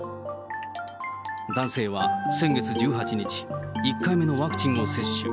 男性は先月１８日、１回目のワクチンを接種。